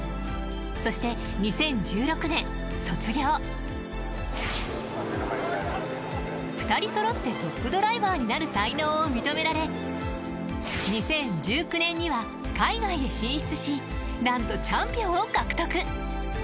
そして２０１６年卒業２人そろってトップドライバーになる才能を認められ２０１９年には海外へ進出しなんとチャンピオンを獲得。